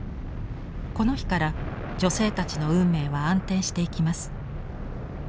この日から女性たちの運命は暗転していきます。